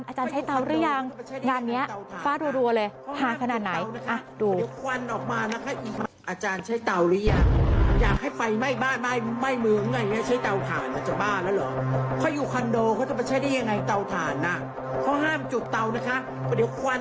อาจารย์อาจารย์ใช้เตาหรือยัง